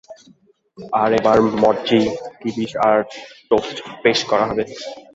আর এবার মটজি, কিদিশ আর টোস্ট পেশ করা হবে।